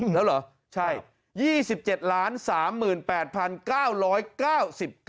แล้วเหรอใช่